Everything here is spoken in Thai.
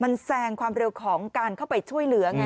มันแซงความเร็วของการเข้าไปช่วยเหลือไง